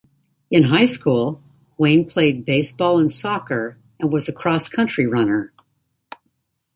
In high school, Wayne played baseball and soccer, and was a cross country runner.